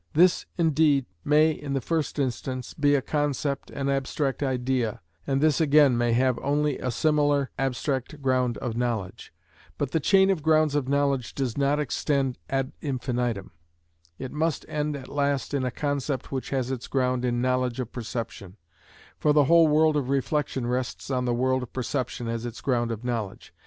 This, indeed, may, in the first instance, be a concept, an abstract idea, and this again may have only a similar abstract ground of knowledge; but the chain of grounds of knowledge does not extend ad infinitum; it must end at last in a concept which has its ground in knowledge of perception; for the whole world of reflection rests on the world of perception as its ground of knowledge.